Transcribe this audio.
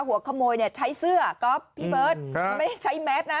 หัวขโมยเนี่ยใช้เสื้อก๊อฟพี่เบิร์ตไม่ได้ใช้แมสนะ